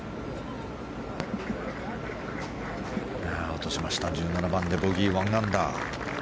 落としました、１７番でボギー１アンダー。